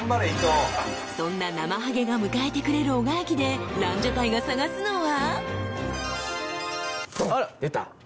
［そんななまはげが迎えてくれる男鹿駅でランジャタイが探すのは？］